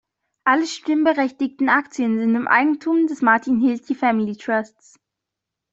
Alle stimmberechtigten Aktien sind im Eigentum des "Martin Hilti Family Trusts".